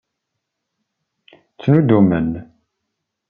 Ttnuddumen.